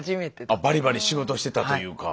バリバリ仕事してたというか。